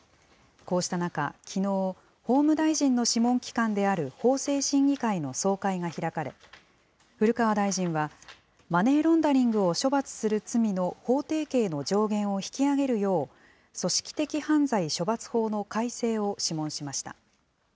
こうした中、きのう、法務大臣の諮問機関である法制審議会の総会が開かれ、古川大臣はマネーロンダリングを処罰する罪の法定刑の上限を引き上げるよう、組織的犯罪処罰法の改正を諮問しました。